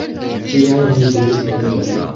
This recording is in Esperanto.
Tial mi diris nenion.